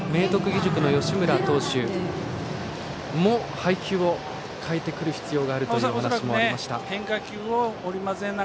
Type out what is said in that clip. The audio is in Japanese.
義塾の吉村投手も配球を変えてくる必要があるというお話もありました。